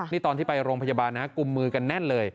นี่ตอนที่ไปโรงพยาบาลนะฮะกุมมือกันแน่นเลย